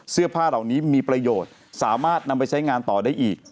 เสื้อผ้าเหล่านี้มีประโยชน์สามารถนำไปใช้งานต่อได้อีก